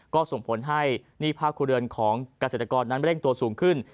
ก็ส่งผลให้หนี้ภาคครัวเรือนของเกษตรกรนั้นเร่งตัวสูงขึ้น